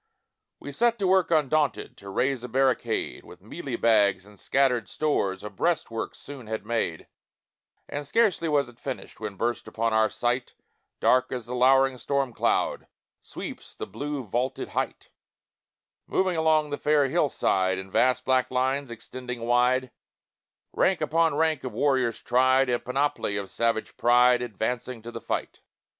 We set to work undaunted To raise a barricade, With mealie bags and scattered stores A breastwork soon had made; And scarcely was it finished, When burst upon our sight, Dark as the lowering storm cloud Sweeps the blue vaulted height, Moving along the fair hill side, In vast black lines extending wide, Rank upon rank of warriors tried, In panoply of savage pride Advancing to the fight.